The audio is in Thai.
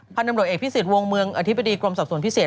พนับหน่วยเอกพิสิทธิ์วงเมืองอธิบดีกรมสอบส่วนพิเศษ